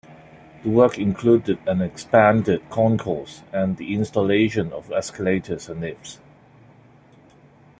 The work included an expanded concourse and the installation of escalators and lifts.